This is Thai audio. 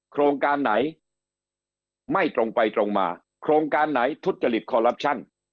โครงการไหนไม่ตรงไปตรงมาโครงการไหนทุจริตคอลลับชั่น